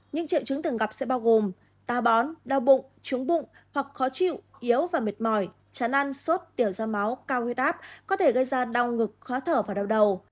những triệu chứng thường gặp sẽ bao gồm ta bón đau bụng trúng bụng hoặc khó chịu yếu và mệt mỏi chán ăn sốt tiểu ra máu cao huyết áp có thể gây ra đau ngực khó thở và đau đầu